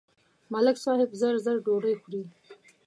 ملک صاحب زر زر ډوډۍ خوري.